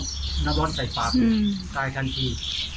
เอาน้ำรอดใส่ฝากตายทันที